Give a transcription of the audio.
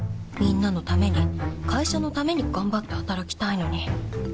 みんなのために会社のために頑張って働きたいのに。